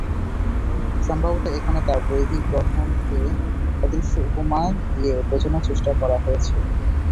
সম্ভবত এখানে তাঁর দৈহিক গঠনকে "অদৃশ্য" উপমা দিয়ে বোঝানোর চেষ্টা করা হয়েছে।